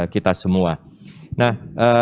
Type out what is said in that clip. kita semua nah